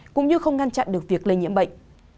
cũng như không ngăn chặn được việc lây nhiễm bệnh